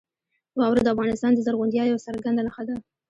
واوره د افغانستان د زرغونتیا یوه څرګنده نښه ده.